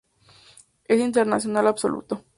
Es internacional absoluto.